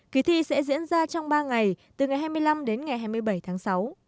kỳ thi sẽ diễn ra trong ba ngày từ ngày hai mươi năm đến ngày hai mươi bảy tháng sáu